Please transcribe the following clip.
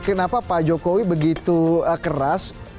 kenapa pak jokowi begitu keras